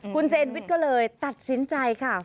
คุณเซนวิทย์ก็เลยตัดสินใจค่ะ